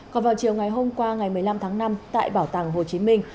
còn vào chiều ngày hôm qua ngày một mươi năm tháng năm tại bảo tàng hồ chí minh